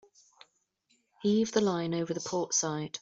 Heave the line over the port side.